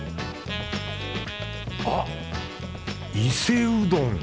あっ伊勢うどん！